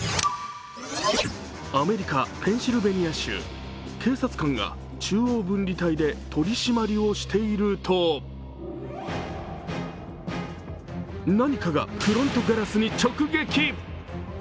アメリカ・ペンシルベニア州警察官が中央分離帯で取り締まりをしていると何かがフロントガラスに直撃。